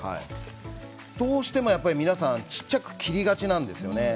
どうしても皆さん小さく切りがちなんですよね。